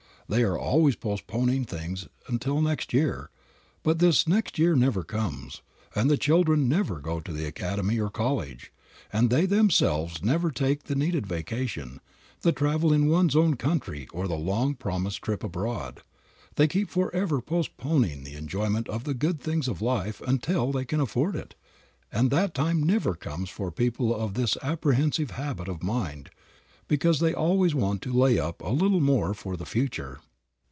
They are always postponing things till next year. But this "next year" never comes, and the children never go to the academy or college, and they themselves never take the needed vacation, the travel in one's own country or the long promised trip abroad. They keep forever postponing the enjoyment of the good things of life until they can "afford it;" and that time never comes for people of this apprehensive habit of mind, because they always want to lay up a little more for the future.